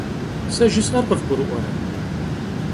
Se jjıs'er khıvgurı'uere?